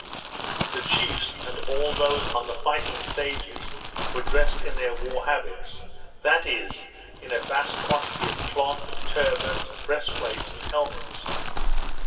The chiefs, and all those on the fighting stages, were dressed in their war habits; that is, in a vast quantity of cloth, turbans, breast plates, and helmets.